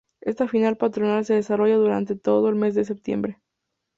Esta fiesta patronal se desarrolla durante todo el mes de setiembre.